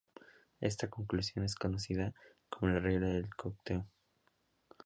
Esta conclusión es conocida como la regla del octeto.